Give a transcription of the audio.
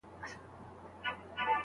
عجيب ساز په سمندر کې را ايسار دی